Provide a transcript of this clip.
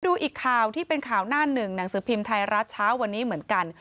ดูอีกข่าวที่เป็นข่าวหน้าหนึ่งหนังสือพิมพ์ไทยรัฐเช้าวันนี้เหมือนกัน